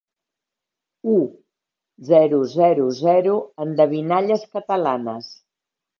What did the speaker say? U.zero zero zero endevinalles catalanes.